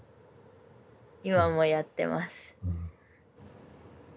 今もやってます。